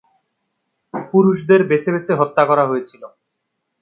পুরুষদের বেছে বেছে হত্যা করা হয়েছিল।